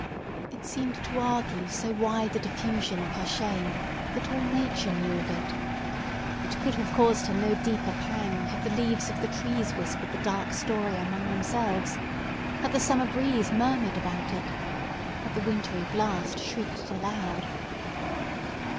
It seemed to argue so wide a diffusion of her shame, that all nature knew of it; it could have caused her no deeper pang had the leaves of the trees whispered the dark story among themselves—had the summer breeze murmured about it—had the wintry blast shrieked it aloud!